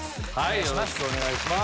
よろしくお願いします。